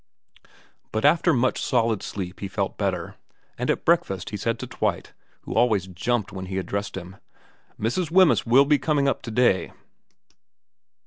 But after much solid sleep he felt better; and at breakfast he said to Twite, who always jumped when he addressed him, ' Mrs. Wemyss will be coming up to day.'